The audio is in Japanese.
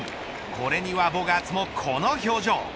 これにはボガーツもこの表情。